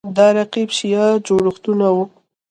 دا رقیب شیعه جوړښتونه وو